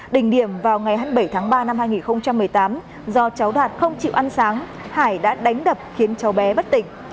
đỉnh điểm vào ngày hai mươi bảy tháng ba năm hai nghìn một mươi tám do cháu đạt không chịu ăn sáng hải đã đánh đập khiến cháu bé bất tỉnh